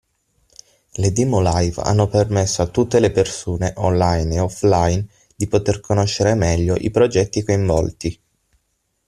Le demo live hanno permesso a tutte le persone Online e Offline di poter conoscere meglio i progetti coinvolti.